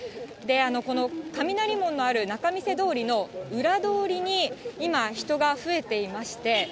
この雷門のある仲見世通りの裏通りに今、人が増えていまして。